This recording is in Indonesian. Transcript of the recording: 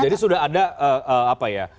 jadi sudah ada apa ya